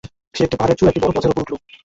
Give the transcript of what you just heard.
সে একটা পাহাড়ের চূড়ায় একটা বড় পথের উপর উঠলো।